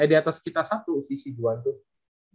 eh diatas sekitar satu posisi juhan tuh